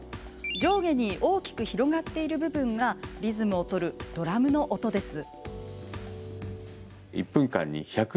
上下に大きく広がっている部分がリズムを取るドラムの音です。